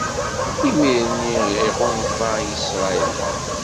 Imir-nni iɣunfa Isṛayil.